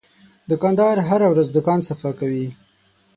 دوکاندار هره ورځ دوکان صفا کوي.